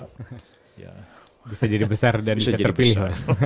bisa jadi besar dan bisa terpilih